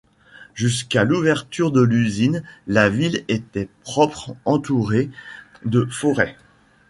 Jusqu'à l'ouverture de l'usine, la ville était propre, entourée de forêts.